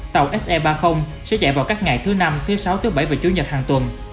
tàu se ba mươi sẽ chạy vào các ngày thứ năm thứ sáu thứ bảy và chủ nhật hàng tuần